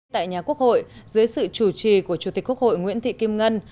tại nhà quốc hội dưới sự chủ trì của chủ tịch quốc hội nguyễn thị kim ngân